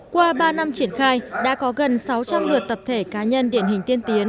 qua ba năm triển khai đã có gần sáu trăm linh lượt tập thể cá nhân điển hình tiên tiến